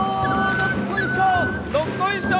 どっこいしょ！